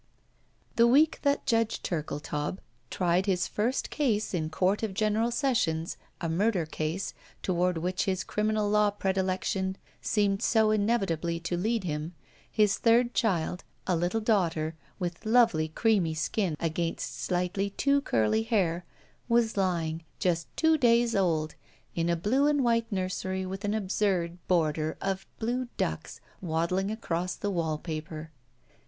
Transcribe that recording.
The week that Judge Turkletaub tried his first case in Court of General Sessions — a murder case, toward which his criminal law predilection seemed so inevitably to lead him, his third child, a Uttle daughter with lovely creamy skin against slightly too curly hair, was l5mig, just two days old, in a blue and white nursery wilii an absurd border of blue ducks waddling across the wallpaper.